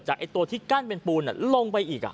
ตัวที่กั้นเป็นปูนลงไปอีก